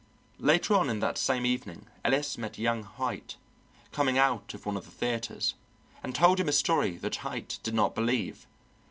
Later on in that same evening Ellis met young Haight coming out of one of the theatres, and told him a story that Haight did not believe.